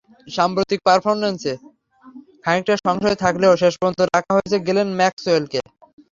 সাম্প্রতিক পারফরম্যান্সে খানিকটা সংশয় থাকলেও শেষ পর্যন্ত রাখা হয়েছে গ্লেন ম্যাক্সওয়েলকে।